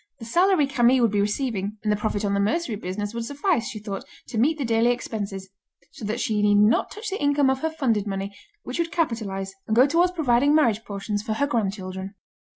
The salary Camille would be receiving, and the profit on the mercery business would suffice, she thought, to meet the daily expenses; so that she need not touch the income of her funded money, which would capitalise, and go towards providing marriage portions for her grandchildren.